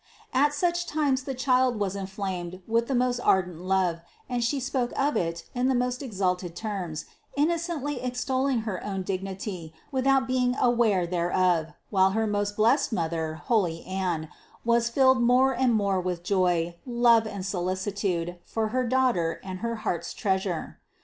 At such times the Child was inflamed with the most ardent love and She spoke of it in the most exalted terms, in nocently extolling her own dignity without being aware thereof, while her most blessed mother, holy Anne, was filled more and more with joy, love and solicitude for her Daughter and her heart's Treasure.